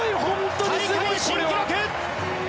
大会新記録！